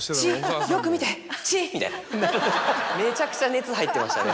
めちゃくちゃ熱入ってましたね